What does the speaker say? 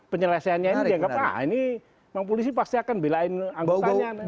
penyelesaiannya ini dianggap ah ini memang polisi pasti akan belain anggotanya